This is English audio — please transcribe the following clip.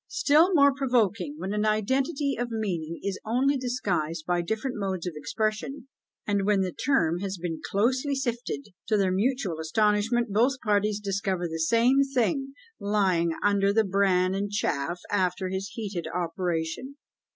Still more provoking when an identity of meaning is only disguised by different modes of expression, and when the term has been closely sifted, to their mutual astonishment both parties discover the same thing lying under the bran and chaff after this heated operation.